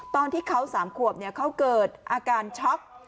ตอนที่เขา๓ขวบเขาเกิดอาการช็อก